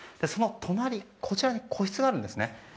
その隣に個室があるんですね。